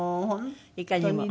いかにも。